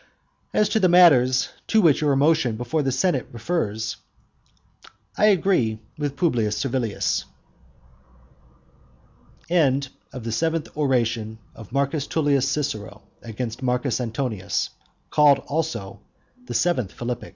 As to the matters to which your motion before the senate refers, I agree with Publius Servilius. THE EIGHTH ORATION OF M T CICERO AGAINST MARCUS ANTONIUS CALLED ALSO THE EIGHTH PHILIPPIC